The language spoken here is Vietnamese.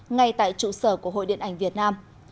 ngay tại trụ sở của hội điện ảnh việt nam